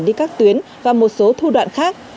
đi các tuyến và một số thu đoạn khác